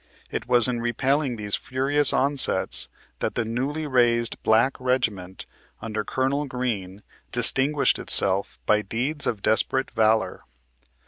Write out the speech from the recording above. It was in repelling these furious onsets, that the newly raised black regiment, under Col. Green, distinguished itself by deeds of desperate valor.